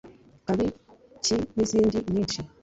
Kabi ki n’izindi nyinshi